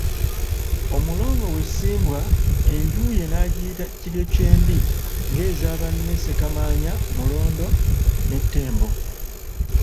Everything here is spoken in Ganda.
Omulongo we ye Ssimbwa, enju ye n'agiyita Kiryokyembi ng'eza banne Ssekamaanya, Mulondo ne Ttembo.